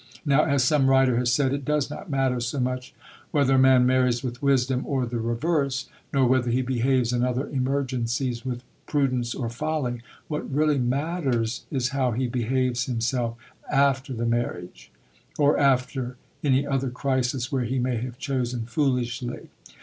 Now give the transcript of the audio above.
Now, as some writer has said, it does not matter so much whether a man marries with wisdom or the reverse, nor whether he behaves in other emergencies with prudence or folly; what really matters is how he behaves himself after the marriage, or after any other crisis where he may have chosen foolishly.